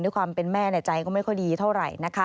ด้วยความเป็นแม่ใจก็ไม่ค่อยดีเท่าไร